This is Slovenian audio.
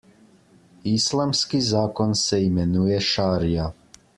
Islamski zakon se imenuje šarija.